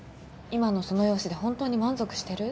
今のその容姿で本当に満足してる？